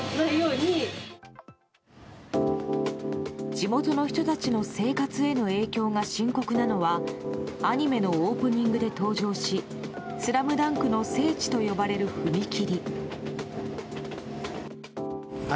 地元の人たちの生活への影響が深刻なのはアニメのオープニングで登場し「スラムダンク」の聖地と呼ばれる踏切。